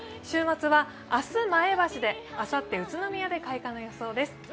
週末は明日、前橋であさって宇都宮で開花の予想です。